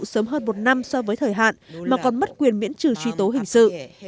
sớm hơn một năm so với thời hạn mà còn mất quyền miễn trừ truy tố hình sự